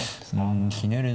あひねる。